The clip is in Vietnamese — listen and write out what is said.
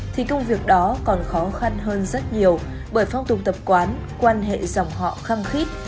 thì công việc đó còn khó khăn hơn rất nhiều bởi phong tục tập quán quan hệ dòng họ khăng khít